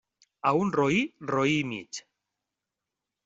A un roí, roí i mig.